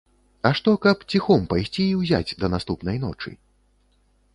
А што каб ціхом пайсці і ўзяць да наступнай ночы?